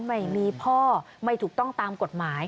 ไม่มีพ่อไม่ถูกต้องตามกฎหมาย